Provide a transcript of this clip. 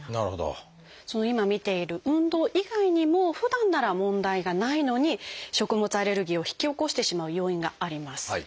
今見ている運動以外にもふだんなら問題がないのに食物アレルギーを引き起こしてしまう要因があります。